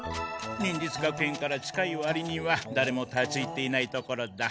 忍術学園から近いわりにはだれも立ち入っていない所だ。